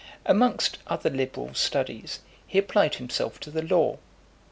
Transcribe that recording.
V. Amongst other liberal studies, he applied himself to the law.